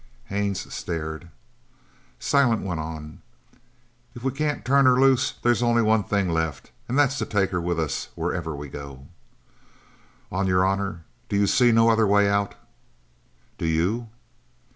Haines stared. Silent went on: "If we can't turn her loose, they's only one thing left an' that's to take her with us wherever we go." "On your honour, do you see no other way out?" "Do you?"